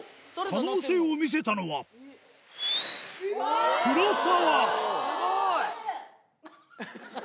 可能性を見せたのは黒沢スゴい！